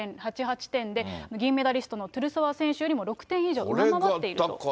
１６．８８点で、銀メダリストのトゥルソワ選手よりも６点以上上回っていると。